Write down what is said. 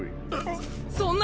そっそんな！